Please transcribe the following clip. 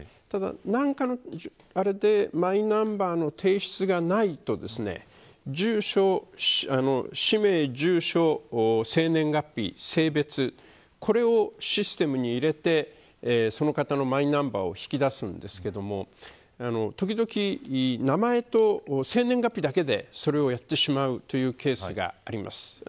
ただ、何かのあれでマイナンバーの提出がないと氏名、住所、生年月日、性別これをシステムに入れてその方のマイナンバーを引き出すんですけどときどき、名前と生年月日だけでそれをやってしまうというケースがあります。